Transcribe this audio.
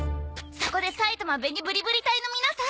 そこで埼玉紅ぶりぶり隊の皆さん。